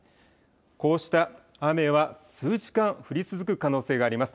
こうした雨は、数時間降り続く可能性があります。